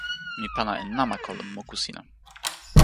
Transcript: mi pana e namako lon moku sina.